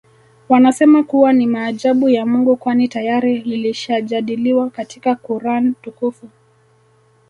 Wanasema kuwa ni maajabu ya Mungu kwani tayari lilishajadiliwa katika Quran Tukufu